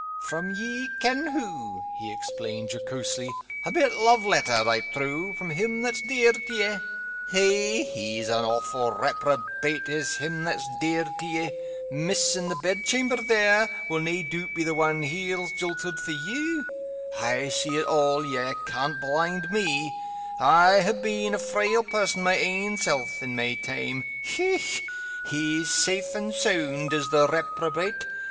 "From ye ken who," he explained, jocosely. "A bit love letter, I trow, from him that's dear to ye. Eh! he's an awfu' reprobate is him that's dear to ye. Miss, in the bedchamber there, will nae doot be the one he's jilted for you? I see it all ye can't blind Me I ha' been a frail person my ain self, in my time. Hech! he's safe and sound, is the reprobate.